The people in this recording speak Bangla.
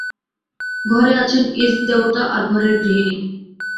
ঘরে আছেন ইষ্টদেবতা আর ঘরের গৃহিণী।